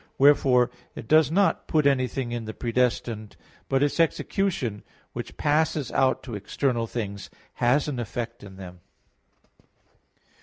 Wherefore, it does not put anything in the predestined. But its execution, which passes out to external things, has an effect in them.